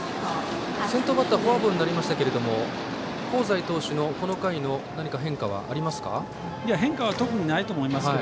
先頭バッターフォアボールになりましたが香西投手の、この回の変化は何かありますか？